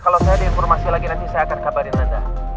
kalau saya ada informasi lagi nanti saya akan kabarin anda